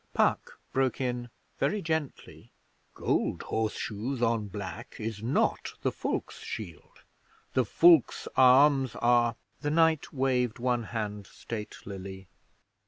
Puck broke in very gently, 'Gold horseshoes on black is not the Fulkes' shield. The Fulkes' arms are ' The knight waved one hand statelily.